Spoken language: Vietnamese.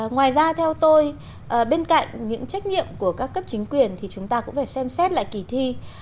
ngoài ra theo tôi bên cạnh những trách nhiệm của các cấp chính quyền thì chúng ta cũng phải xem xét lại kỳ thi